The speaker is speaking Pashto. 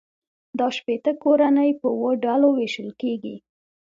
دا شپیته کورنۍ په اووه ډلو وېشل کېږي